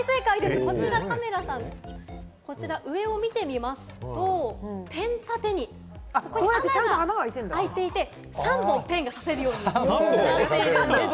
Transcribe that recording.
こちら、カメラさん、上を見てみますと、ペン立てに穴が開いていて、３本、ペンが挿せるようになっているんです。